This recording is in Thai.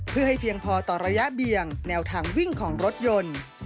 เพื่อให้เพียงพอต่อระยะเบี่ยงแนวทางวิ่งของรถยนต์